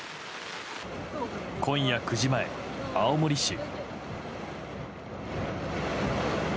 今夜９時前、青森市。